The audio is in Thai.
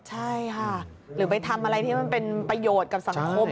ใช่ค่ะหรือไปทำอะไรที่มันเป็นประโยชน์กับสังคม